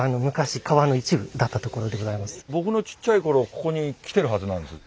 僕のちっちゃい頃ここに来てるはずなんです。